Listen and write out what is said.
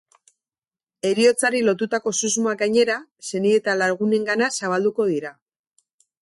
Heriotzari lotutako susmoak gainera, senide eta lagunengana zabalduko dira.